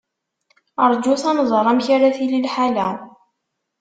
Rjut ad nẓer amek ara tili lḥala.